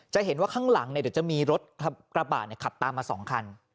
เห็นว่าข้างหลังเดี๋ยวจะมีรถกระบะขับตามมา๒คัน